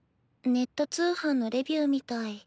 ネット通販のレビューみたい。